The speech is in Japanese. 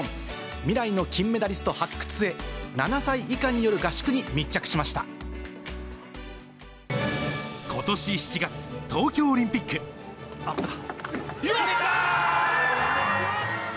未来の金メダリスト発掘へ、７歳以下による合宿に密着しましことし７月、東京オリンピッよし！